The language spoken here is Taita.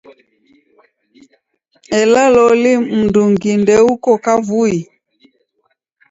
Ela loli mndungi ndeuko kavui?